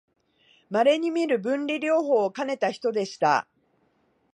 まれにみる文理両方をかねた人でした